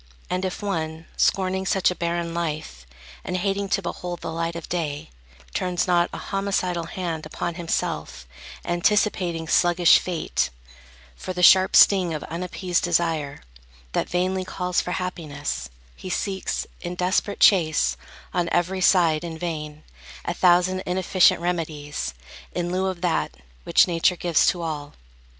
And if one, scorning such a barren life, And hating to behold the light of day, Turns not a homicidal hand upon Himself, anticipating sluggish Fate, For the sharp sting of unappeased desire, That vainly calls for happiness, he seeks, In desperate chase, on every side, in vain, A thousand inefficient remedies, In lieu of that, which Nature gives to all.